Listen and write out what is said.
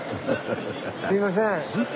すいません。